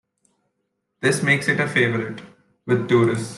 This makes it a favorite with tourists.